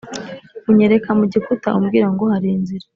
unyereka mu gikuta umbwira ngo hari inzira